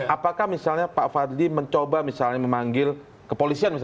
apakah pak fadli mencoba memanggil kepolisian